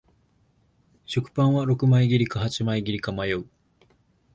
食パンは六枚切りか八枚か迷う